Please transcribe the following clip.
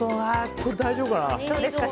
これ、大丈夫かな。